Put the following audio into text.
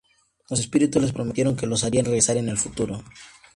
Los espíritus les prometieron que los harían regresar en el futuro.